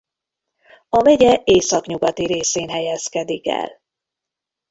A megye északnyugati részén helyezkedik el.